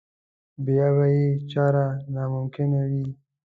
بیا به یې چاره ناممکنه وي.